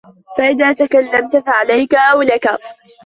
فَإِذَا تَكَلَّمْتَ فَعَلَيْك أَوْ لَك